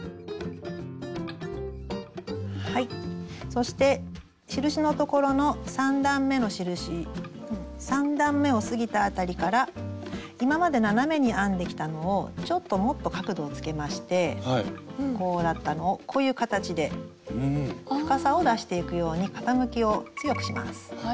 そして印のところの３段めの印３段めを過ぎたあたりから今まで斜めに編んできたのをちょっともっと角度をつけましてこうだったのをこういう形で深さを出していくように傾きを強くします。